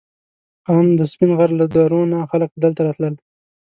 ان د سپین غر له درو نه خلک دلته راتلل.